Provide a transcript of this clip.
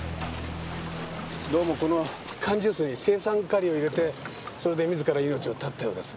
どうもこの缶ジュースに青酸カリを入れてそれで自ら命を絶ったようですね。